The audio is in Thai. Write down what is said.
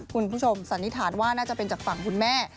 สันนิษฐานว่าน่าจะเป็นจากฝั่งคุณแม่